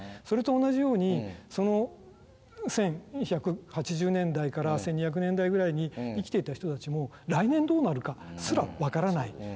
それと同じようにその１１８０年代から１２００年代ぐらいに生きていた人たちも来年どうなるかすら分からない。